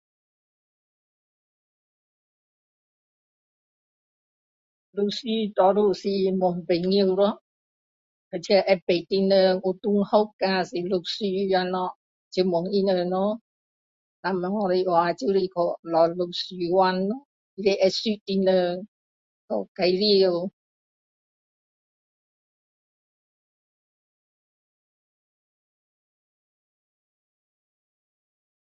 律师多数是问朋友咯或者会知道的人有同学啊是律师的咯就问他们咯若没有的话就是去找律师馆咯要会认识的人介绍